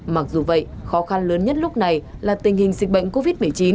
mặc dù vậy khó khăn lớn nhất lúc này là tình hình dịch bệnh covid một mươi chín